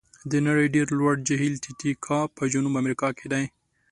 د نړۍ ډېر لوړ جهیل تي تي کاکا په جنوب امریکا کې دی.